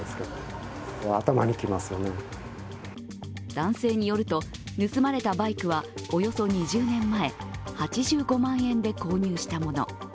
男性によると、盗まれたバイクはおよそ２０年前８５万円で購入したもの。